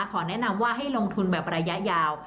ขอแนะนำว่าให้ลงทุนแบบระยะยาว